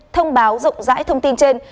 thông báo dụng giải thông tin trên